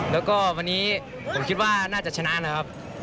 แล้วก็วันนี้ผมคิดว่าน่าจะชนะนะครับ